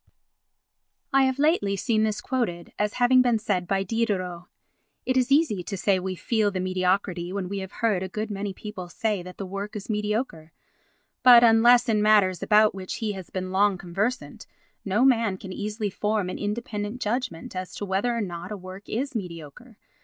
I have lately seen this quoted as having been said by Diderot. It is easy to say we feel the mediocrity when we have heard a good many people say that the work is mediocre, but, unless in matters about which he has been long conversant, no man can easily form an independent judgment as to whether or not a work is mediocre.